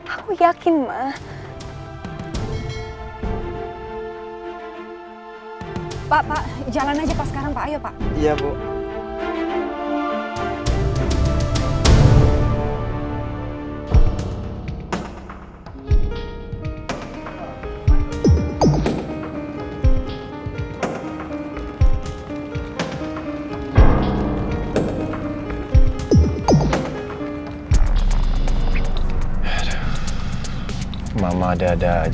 aku nggak pernah ceritain apa apa itu mbak